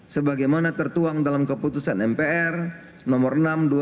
sebagaimana tertuang dalam keputusan mpr nomor enam dua ribu